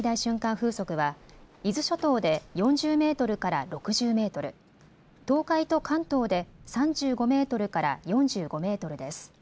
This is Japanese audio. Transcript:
風速は伊豆諸島で４０メートルから６０メートル、東海と関東で３５メートルから４５メートルです。